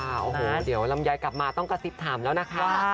โอ้โหเดี๋ยวลำไยกลับมาต้องกระซิบถามแล้วนะคะ